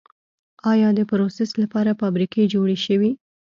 آیا دپروسس لپاره فابریکې جوړې شوي؟